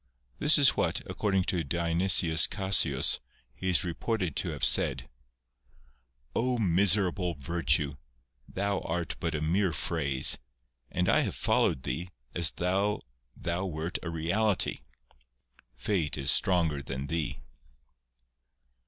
This is what, according to Dionysius Cassius, he is reported to have said :— "0 miserable virtue! Thou art but a mere phrase, and I have followed thee, as though thou wert a reality. Fate is stronger than thee."